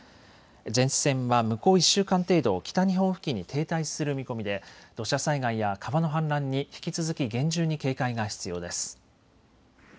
前線は向こう１週間程度、北日本付近に停滞する見込みで土砂災害や川の氾濫に引き続き厳重に警戒が必要です。